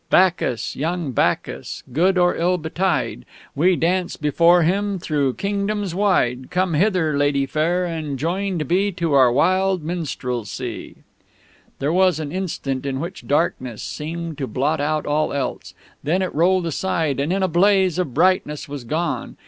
Bacchus, young Bacchus! Good or ill betide We dance before him thorough kingdoms wide! Come hither, Lady fair, and joined be To our wild minstrelsy!'"_ There was an instant in which darkness seemed to blot out all else; then it rolled aside, and in a blaze of brightness was gone.